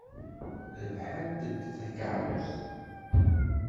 Rebḥent-d takeṛṛust.